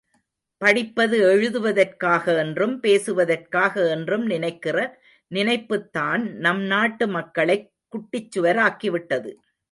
படிப்பது எழுதுவதற்காக என்றும், பேசுவதற்காக என்றும் நினைக்கிற நினைப்புத்தான் நம் நாட்டு மக்களைக் குட்டிச்சுவராக்கிவிட்டது.